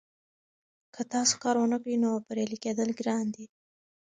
که تاسو کار ونکړئ نو بریالي کیدل ګران دي.